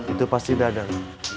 itu pasti dadar